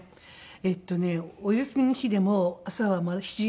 えっとねお休みの日でも朝は７時半に起こされます。